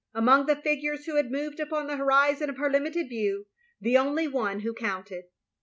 Among the figures who had moved upon the horizon of her limited view, the only one who counted.